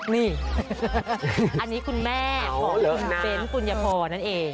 นี่อันนี้คุณแม่ของคุณเซ็นต์คุณหยะพอนั่นเอง